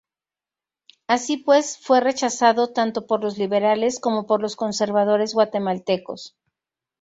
Así pues, fue rechazado tanto por los liberales como por los conservadores guatemaltecos.